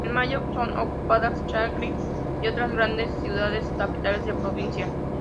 En mayo son ocupadas Shanghái y otras grandes ciudades y capitales de provincia.